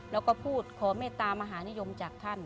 แล้วก็พูดขอเมตตามหานิยมจากท่าน